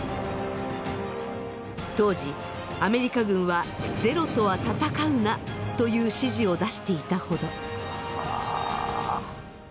当時アメリカ軍は「ゼロとは戦うな」という指示を出していたほど。